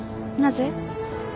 なぜ？